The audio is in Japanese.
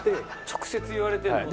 直接言われてるの？